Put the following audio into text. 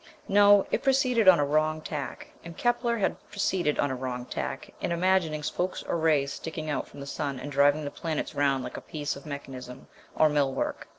No, it proceeded on a wrong tack, and Kepler had proceeded on a wrong tack in imagining spokes or rays sticking out from the sun and driving the planets round like a piece of mechanism or mill work.